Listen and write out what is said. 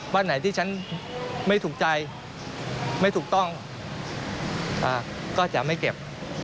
บ้านไหนที่ฉันไม่ถูกใจไม่ถูกต้องก็จะไม่เก็บ